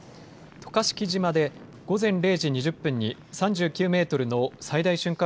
渡嘉敷島で午前０時２０分に３９メートルの最大瞬間